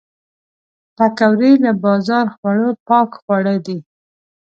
پکورې له بازار خوړو پاک خواړه دي